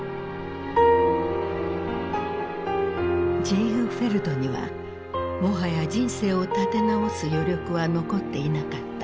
ジーグフェルドにはもはや人生を立て直す余力は残っていなかった。